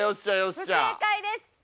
不正解です。